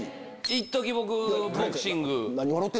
いっとき僕ボクシング。